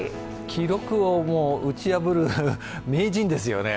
記録を打ち破る名人ですよね。